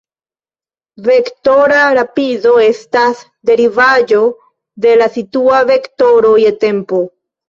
Vektora rapido estas derivaĵo de la situa vektoro je tempo.